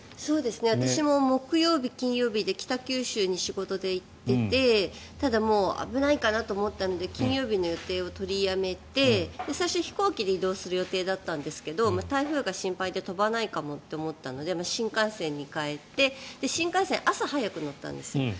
私も木曜日、金曜日で北九州に仕事に行っていてただ、危ないかなと思ったので金曜日の予定を取りやめて最初、飛行機で移動する予定だったんですが台風が心配で飛ばないかもと思って新幹線に変えて新幹線、朝早く乗ったんです。